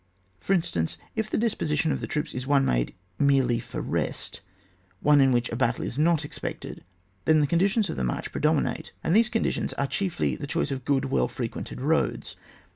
For instance, if the disposition of the troops is one made merely for rest, one in which a battle is not expected, then the conditions of the march predominate, and these conditions are chiefly the choice of g^ood, well frequented roads.